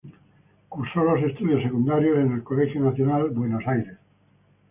Cursó los estudios secundarios en el Colegio Nacional Buenos Aires.